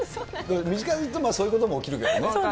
短いとそういうことも起きるけどね。